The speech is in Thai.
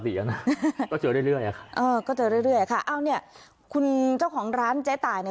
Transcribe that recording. เออก็เจอเรื่อยเรื่อยอ่ะค่ะเอ้าเนี้ยคุณเจ้าของร้านใจตายเนี้ย